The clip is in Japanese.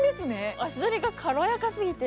足取りが軽やかすぎて。